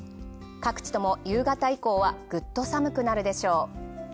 各地とも夕方以降はぐっと寒くなるでしょう。